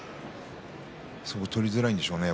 相撲が取りづらいんでしょうね